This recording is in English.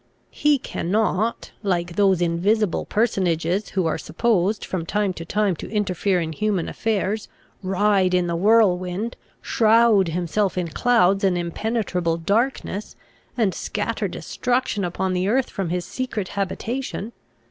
He cannot, like those invisible personages who are supposed from time to time to interfere in human affairs, ride in the whirlwind, shroud himself in clouds and impenetrable darkness, and scatter destruction upon the earth from his secret habitation."